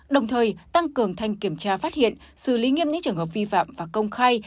đồng thời tăng cường thanh kiểm tra phát hiện xử lý nghiêm những trường hợp vi phạm và công khai